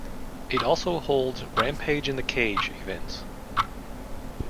It also holds Rampage in the Cage events.